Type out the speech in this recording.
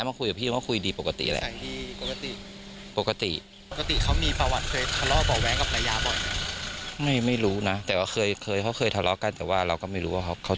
ตกใจไหมเกิดเหตุการณ์ขึ้น